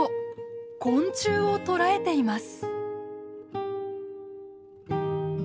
昆虫を捕らえています。